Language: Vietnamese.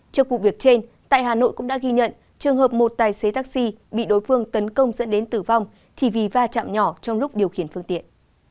trước vụ việc trên tại hà nội cũng đã ghi nhận trường hợp một tài xế taxi bị đối phương tấn công dẫn đến tử vong chỉ vì va chạm nhỏ trong lúc điều khiển phương tiện